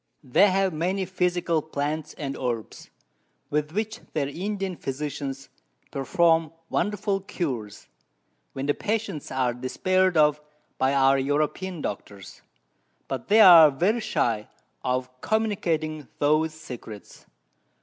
They have many Physical Plants and Herbs, with which their Indian Physicians perform wonderful Cures, when the Patients are despair'd of by our European Doctors, but they are very shy of communicating those Secrets.